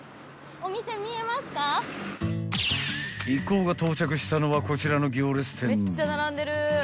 ［一行が到着したのはこちらの行列店］